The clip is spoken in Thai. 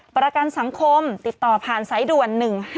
ประกันสังคมติดต่อผ่านสายด่วน๑๕๗